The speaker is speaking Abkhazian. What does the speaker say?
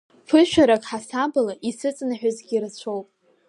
Ԥышәарак аҳасабала исыҵанаҳәазгьы рацәоуп!